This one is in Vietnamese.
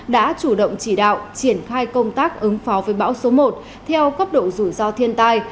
đã chủ động chỉ đạo triển khai công tác ứng phó với bão số một theo cấp độ rủi ro thiên tai